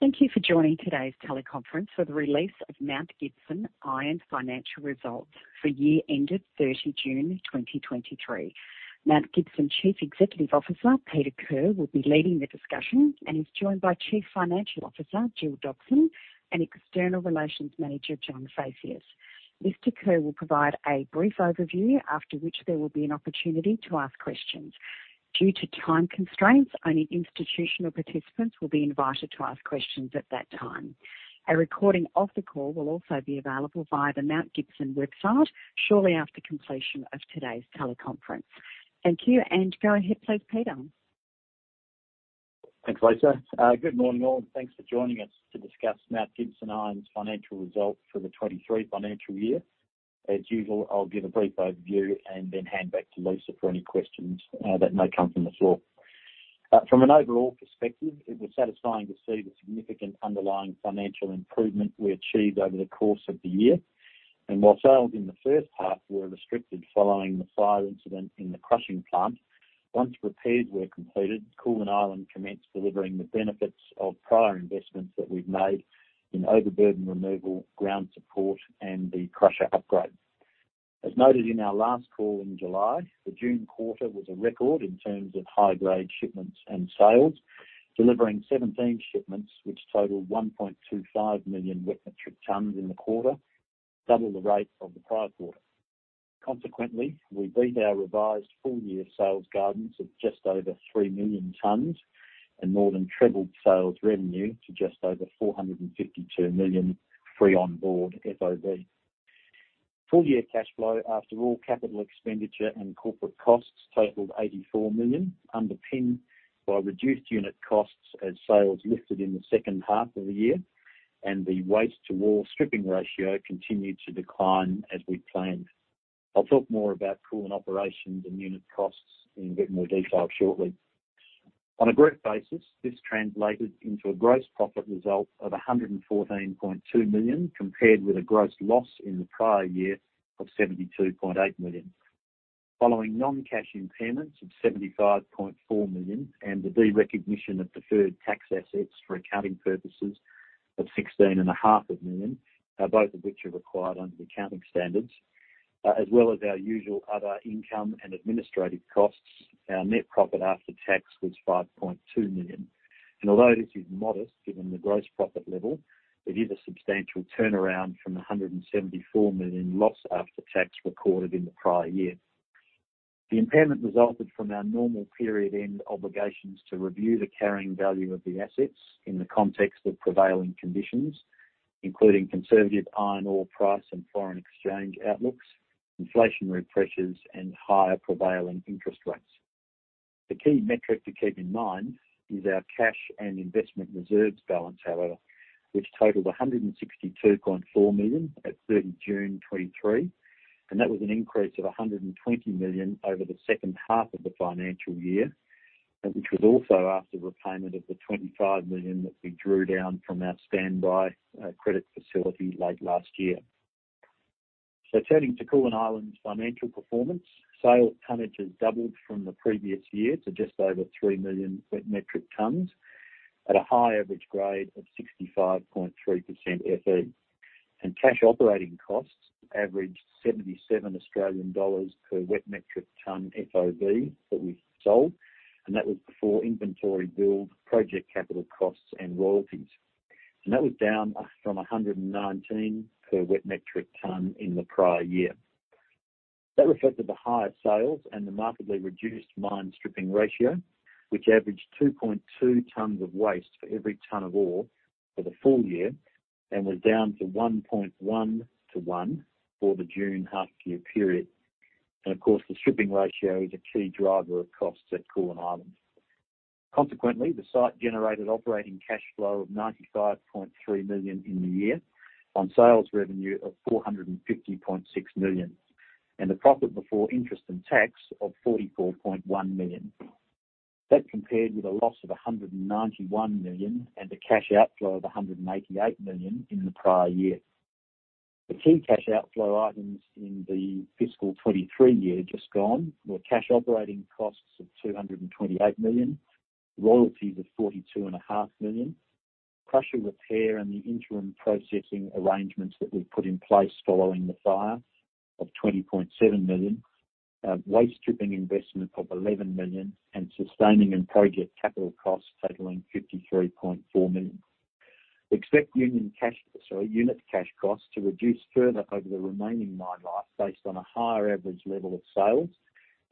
Thank you for joining today's teleconference for the release of Mount Gibson Iron financial results for the year ended 30 June 2023. Mount Gibson Chief Executive Officer, Peter Kerr, will be leading the discussion and is joined by Chief Financial Officer, Gillian Dobson, and External Relations Manager, John Phaceas. Mr. Kerr will provide a brief overview, after which there will be an opportunity to ask questions. Due to time constraints, only institutional participants will be invited to ask questions at that time. A recording of the call will also be available via the Mount Gibson website shortly after completion of today's teleconference. Thank you, and go ahead please, Peter. Thanks, Lisa. Good morning, all, and thanks for joining us to discuss Mount Gibson Iron's financial results for the 2023 financial year. As usual, I'll give a brief overview and then hand back to Lisa for any questions that may come from the floor. From an overall perspective, it was satisfying to see the significant underlying financial improvement we achieved over the course of the year. While sales in the first half were restricted following the fire incident in the crushing plant, once repairs were completed, Koolan Island commenced delivering the benefits of prior investments that we've made in overburden removal, ground support, and the crusher upgrade. As noted in our last call in July, the June quarter was a record in terms of high-grade shipments and sales, delivering 17 shipments, which totaled 1.25 million wet metric tons in the quarter, double the rate of the prior quarter. We beat our revised full-year sales guidance of just over 3 million tons and more than trebled sales revenue to just over 452 million free on board, FOB. Full-year cash flow, after all, capital expenditure and corporate costs totaled 84 million, underpinned by reduced unit costs as sales lifted in the second half of the year, and the waste-to-ore stripping ratio continued to decline as we planned. I'll talk more about Koolan operations and unit costs in a bit more detail shortly. On a group basis, this translated into a gross profit result of 114.2 million, compared with a gross loss in the prior year of 72.8 million. Following non-cash impairments of 75.4 million and the de-recognition of deferred tax assets for accounting purposes of 16.5 million, both of which are required under the accounting standards, as well as our usual other income and administrative costs, our net profit after tax was 5.2 million. Although this is modest, given the gross profit level, it is a substantial turnaround from the 174 million loss after tax recorded in the prior year. The impairment resulted from our normal period-end obligations to review the carrying value of the assets in the context of prevailing conditions, including conservative iron ore price and foreign exchange outlooks, inflationary pressures, and higher prevailing interest rates. The key metric to keep in mind is our cash and investment reserves balance, however, which totaled 162.4 million at 30 June 2023, and that was an increase of 120 million over the second half of the financial year, which was also after repayment of the 25 million that we drew down from our standby credit facility late last year. Turning to Koolan Island's financial performance, sale tonnage has doubled from the previous year to just over 3 million wet metric tons at a high average grade of 65.3% Fe. Cash operating costs averaged 77 Australian dollars per wet metric ton FOB that we sold, and that was before inventory build, project capital costs, and royalties. That was down from 119 per wet metric ton in the prior year. That reflected the higher sales and the markedly reduced mine stripping ratio, which averaged 2.2 tonnes of waste for every tonne of ore for the full year and was down to 1.1 to 1 for the June half year period. Of course, the stripping ratio is a key driver of costs at Koolan Island. Consequently, the site generated operating cash flow of 95.3 million in the year, on sales revenue of 450.6 million, and a profit before interest and tax of 44.1 million. That compared with a loss of 191 million and a cash outflow of 188 million in the prior year. The key cash outflow items in the fiscal 2023 year just gone were cash operating costs of 228 million, royalties of 42.5 million, crusher repair and the interim processing arrangements that we've put in place following the fire of 20.7 million, waste stripping investment of 11 million, and sustaining and project capital costs totaling 53.4 million. We expect unit cash costs to reduce further over the remaining mine life, based on a higher average level of sales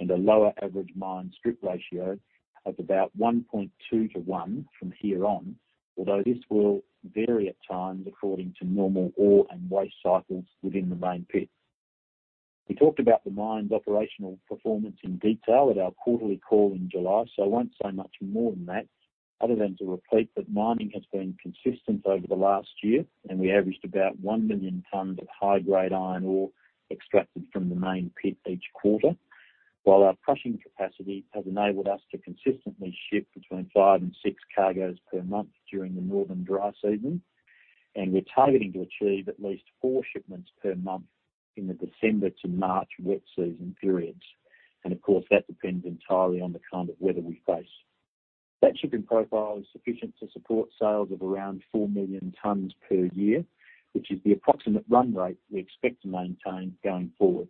and a lower average mine strip ratio of about 1.2 to 1 from here on, although this will vary at times according to normal ore and waste cycles within the main pit. We talked about the mine's operational performance in detail at our quarterly call in July, so I won't say much more than that, other than to repeat that mining has been consistent over the last year, and we averaged about 1 million tons of high-grade iron ore extracted from the main pit each quarter. While our crushing capacity has enabled us to consistently ship between 5 and 6 cargoes per month during the northern dry season. We're targeting to achieve at least 4 shipments per month in the December to March wet season periods. Of course, that depends entirely on the kind of weather we face. That shipping profile is sufficient to support sales of around 4 million tons per year, which is the approximate run rate we expect to maintain going forward.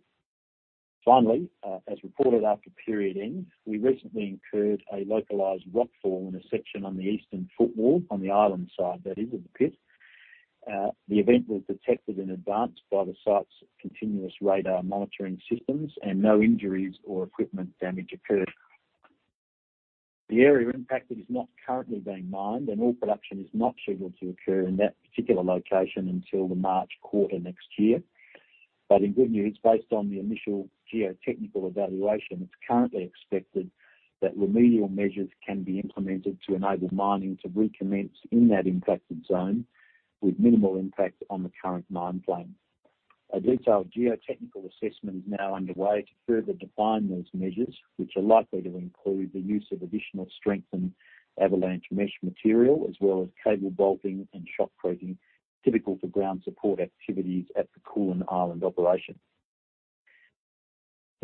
Finally, as reported after period end, we recently incurred a localized rockfall in a section on the eastern footwall, on the island side, that is, of the pit. The event was detected in advance by the site's continuous radar monitoring systems, and no injuries or equipment damage occurred. The area impacted is not currently being mined, and all production is not scheduled to occur in that particular location until the March quarter next year. In good news, based on the initial geotechnical evaluation, it's currently expected that remedial measures can be implemented to enable mining to recommence in that impacted zone with minimal impact on the current mine plan. A detailed geotechnical assessment is now underway to further define those measures, which are likely to include the use of additional strengthened avalanche mesh material, as well as cable bolting and shotcreting, typical for ground support activities at the Koolan Island operation.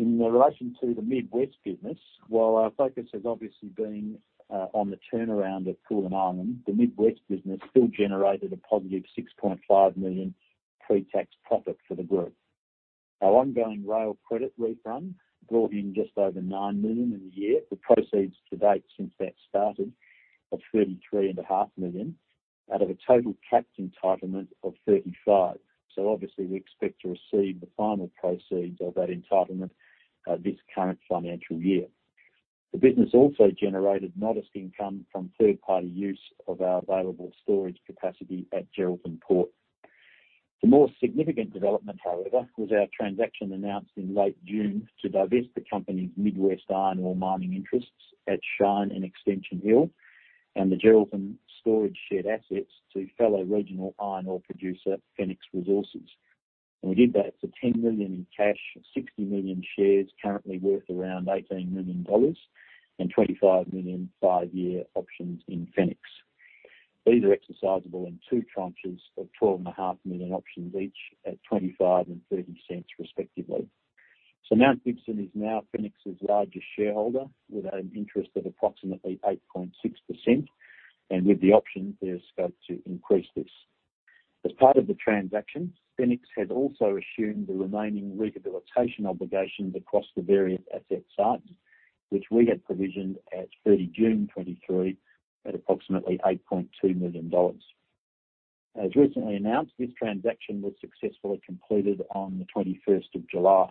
In relation to the Mid-West business, while our focus has obviously been on the turnaround of Koolan Island, the Mid-West business still generated a positive 6.5 million pre-tax profit for the group. Our ongoing rail credit refund brought in just over 9 million in the year. The proceeds to date since that started are 33.5 million, out of a total capped entitlement of 35. Obviously we expect to receive the final proceeds of that entitlement this current financial year. The business also generated modest income from third-party use of our available storage capacity at Geraldton Port. The more significant development, however, was our transaction announced in late June to divest the company's Mid-West iron ore mining interests at Shine and Extension Hill, and the Geraldton storage shared assets to fellow regional iron ore producer, Fenix Resources. We did that for 10 million in cash, 60 million shares currently worth around 18 million dollars, and 25 million 5-year options in Fenix. These are exercisable in 2 tranches of 12.5 million options each at 0.25 and 0.30, respectively. Mount Gibson is now Fenix's largest shareholder, with an interest of approximately 8.6%, and with the option, there's scope to increase this. As part of the transaction, Fenix has also assumed the remaining rehabilitation obligations across the various asset sites, which we had provisioned at 30 June 2023 at approximately 8.2 million dollars. As recently announced, this transaction was successfully completed on the 21st of July.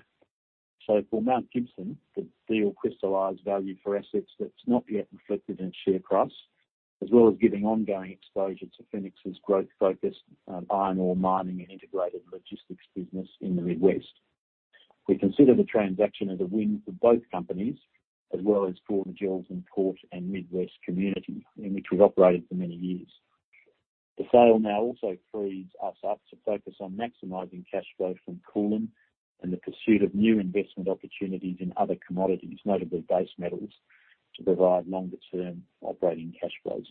For Mount Gibson, the deal crystallized value for assets that's not yet reflected in share price, as well as giving ongoing exposure to Fenix's growth-focused, iron ore mining and integrated logistics business in the Mid-West. We consider the transaction as a win for both companies, as well as for the Geraldton Port and Mid-West community, in which we've operated for many years. The sale now also frees us up to focus on maximizing cash flow from Koolan and the pursuit of new investment opportunities in other commodities, notably base metals, to provide longer-term operating cash flows.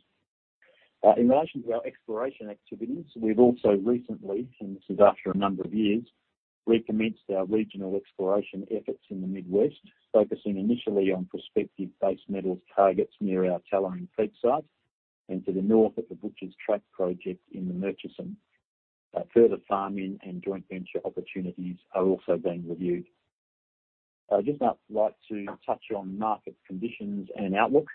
In relation to our exploration activities, we've also recently, and this is after a number of years, recommenced our regional exploration efforts in the Mid-West, focusing initially on prospective base metals targets near our Tallering Peak site and to the north of the Butchers Track project in the Murchison. Further farming and joint venture opportunities are also being reviewed. I'd just now like to touch on market conditions and outlook.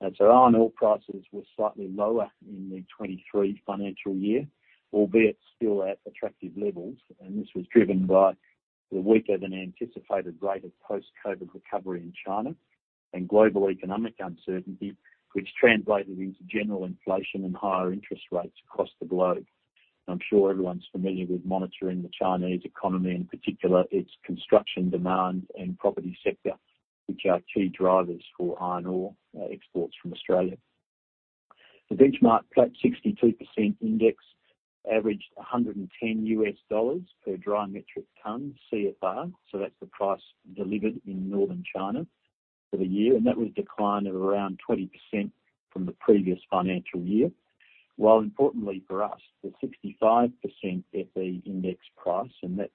Iron ore prices were slightly lower in the 2023 financial year, albeit still at attractive levels, and this was driven by the weaker than anticipated rate of post-COVID recovery in China and global economic uncertainty, which translated into general inflation and higher interest rates across the globe. I'm sure everyone's familiar with monitoring the Chinese economy, in particular, its construction, demand, and property sector, which are key drivers for iron ore exports from Australia. The benchmark Platts 62% index averaged $110 per dry metric ton CFR, so that's the price delivered in northern China for the year, and that was a decline of around 20% from the previous financial year. While importantly for us, the 65% Fe index price, and that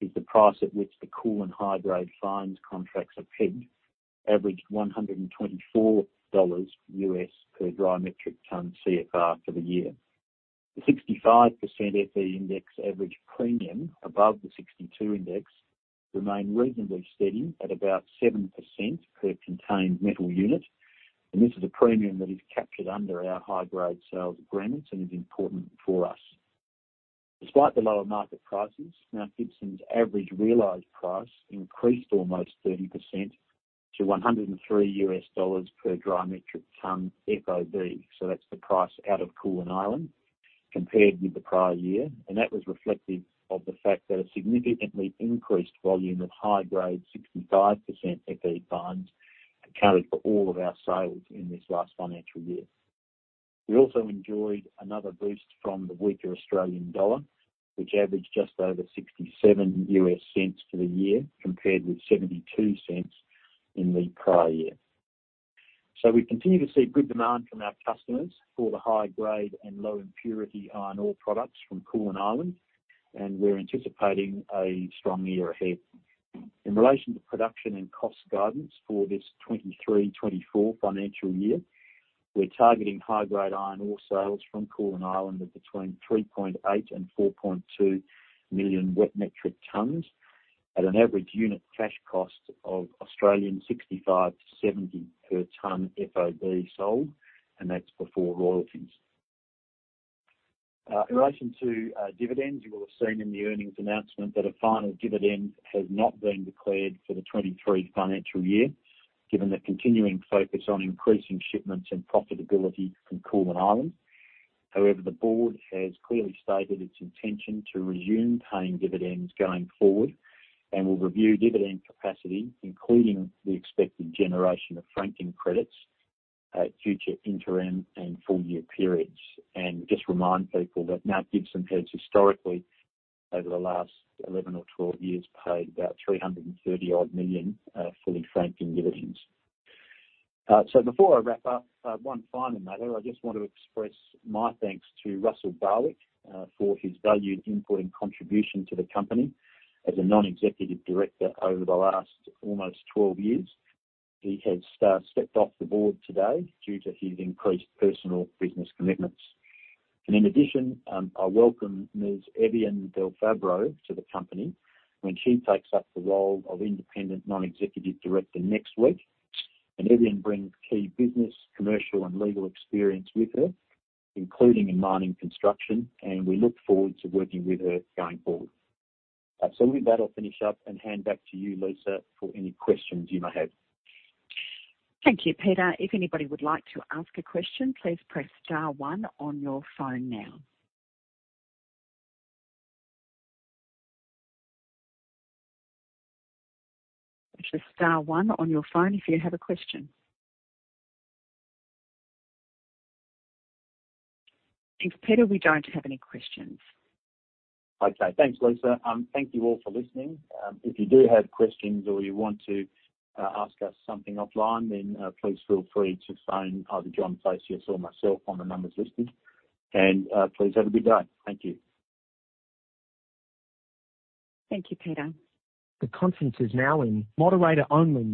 is the price at which the Koolan high-grade fines contracts are pegged, averaged $124 per dry metric ton CFR for the year. The 65% Fe index average premium above the 62% index remained reasonably steady at about 7% per contained metal unit, and this is a premium that is captured under our high-grade sales agreements and is important for us. Despite the lower market prices, Mount Gibson's average realized price increased almost 30% to $103 per dry metric ton FOB, so that's the price out of Koolan Island, compared with the prior year. That was reflective of the fact that a significantly increased volume of high-grade 65% Fe fines accounted for all of our sales in this last financial year. We also enjoyed another boost from the weaker Australian dollar, which averaged just over $0.67 for the year, compared with $0.72 in the prior year. We continue to see good demand from our customers for the high-grade and low-impurity iron ore products from Koolan Island, and we're anticipating a strong year ahead. In relation to production and cost guidance for this 2023-2024 financial year, we're targeting high-grade iron ore sales from Koolan Island of between 3.8 million and 4.2 million wet metric tons at an average unit cash cost of 65-70 per ton FOB sold, and that's before royalties. In relation to dividends, you will have seen in the earnings announcement that a final dividend has not been declared for the 2023 financial year, given the continuing focus on increasing shipments and profitability from Koolan Island. However, the board has clearly stated its intention to resume paying dividends going forward and will review dividend capacity, including the expected generation of franking credits at future interim and full year periods. Just remind people that Mount Gibson has historically, over the last 11 or 12 years, paid about 330 million fully franked dividends. Before I wrap up, one final matter, I just want to express my thanks to Russell Barwick for his valued input and contribution to the company as a non-executive director over the last almost 12 years. He has stepped off the board today due to his increased personal business commitments. In addition, I welcome Ms. Evian Delfabbro to the company when she takes up the role of independent non-executive director next week. Evian brings key business, commercial, and legal experience with her, including in mining construction, and we look forward to working with her going forward. With that, I'll finish up and hand back to you, Lisa, for any questions you may have. Thank you, Peter. If anybody would like to ask a question, please press star one on your phone now. It's just star one on your phone if you have a question. Thanks, Peter. We don't have any questions. Okay. Thanks, Lisa. Thank you all for listening. If you do have questions or you want to ask us something offline, then please feel free to phone either John Phaceas or myself on the numbers listed. Please have a good day. Thank you. Thank you, Peter. The conference is now in moderator only mode.